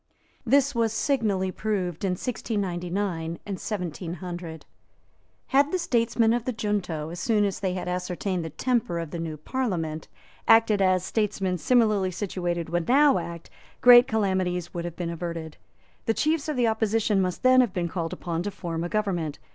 This was signally proved in 1699 and 1700. Had the statesmen of the junto, as soon as they had ascertained the temper of the new Parliament, acted as statesmen similarly situated would now act, great calamities would have been averted. The chiefs of the opposition must then have been called upon to form a government.